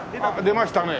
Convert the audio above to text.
出ましたね。